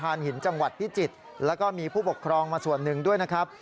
หินจังหวัดพิจิตรแล้วก็มีผู้ปกครองมาส่วนหนึ่งด้วยนะครับ